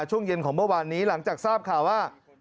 ช่วงเย็นของเมื่อวานนี้หลังจากทราบข่าวว่า